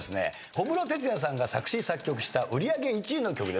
小室哲哉さんが作詞作曲した売り上げ１位の曲です。